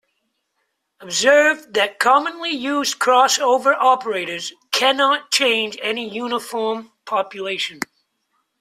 Observe that commonly used crossover operators cannot change any uniform population.